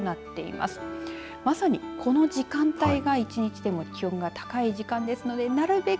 まさに、この時間帯が１日でも気温が高い時間ですのでなるべく